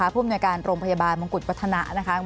ผู้แนวงานโรงพยาบาลมงกุฎปัฏฒนะ